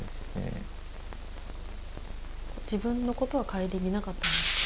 自分のことは顧みなかったんですか？